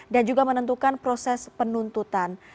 dan juga menentukan proses penuntutan